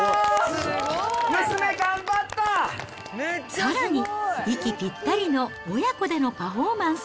さらに、息ぴったりの親子でのパフォーマンス。